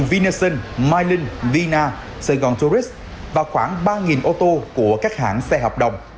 vinason mylin vina sài gòn tourist và khoảng ba ô tô của các hãng xe hợp đồng